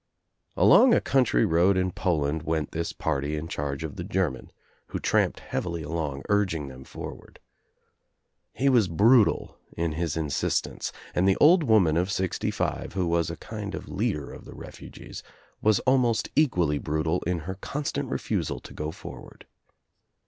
[ Along a country road in Poland went this party in ' .'harge of the German who tramped heavily along, urging them forward. He was brutal in his insistence, and the old woman of sixty five, who was a kind of leader of the refugees, was almost equally brutal in her constant refusal to go forward.